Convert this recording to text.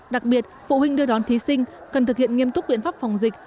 đặc biệt phụ huynh đưa đón thí sinh cần thực hiện nghiêm túc biện pháp phòng dịch